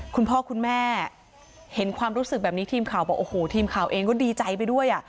คุณพ่อคุณแม่เห็นความรู้สึกแบบนี้ทีมข่าวบอกโอ้โหทีมข่าวเองก็ดีใจไปด้วยอ่ะ